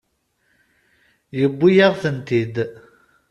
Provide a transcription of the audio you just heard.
Yewwi-yaɣ-tent-id.